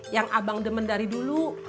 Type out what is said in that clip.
yang abang demen dari dulu